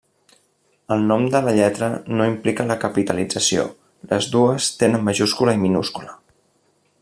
El nom de la lletra no implica la capitalització: les dues tenen majúscula i minúscula.